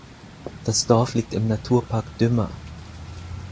Das Dorf liegt im Naturpark Dümmer.